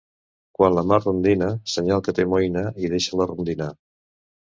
Quan la mar rondina, senyal que té moïna, i deixa-la rondinar.